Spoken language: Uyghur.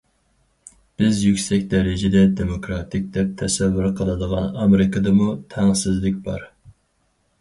بىز يۈكسەك دەرىجىدە دېموكراتىك دەپ تەسەۋۋۇر قىلىدىغان ئامېرىكىدىمۇ تەڭسىزلىك بار.